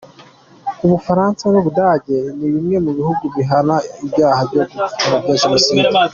U Bufaransa n’u Budage ni bimwe mu bihugu bihana ibyaha byo gupfobya Jenoside.